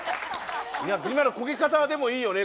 今のコケ方はでもいいよね。